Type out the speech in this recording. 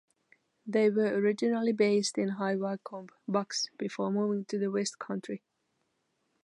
They were originally based in High Wycombe, Bucks before moving to the West Country.